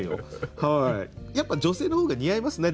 やっぱ女性の方が似合いますね